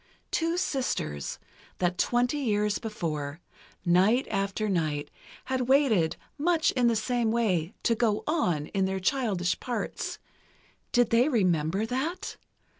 Two sisters, that twenty years before, night after night, had waited much in the same way to "go on" in their childish parts. Did they remember that?